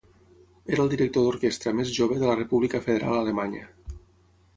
Era el director d'orquestra més jove de la República Federal Alemanya.